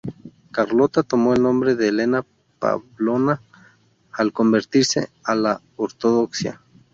Carlota tomó el nombre Elena Pávlovna al convertirse a la ortodoxia.